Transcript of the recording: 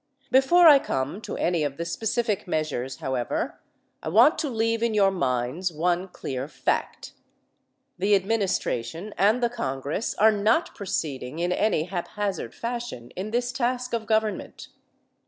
Before I come to any of the specific measures, however, I want to leave in your minds one clear fact. The administration and the Congress are not proceeding in any haphazard fashion in this task of government.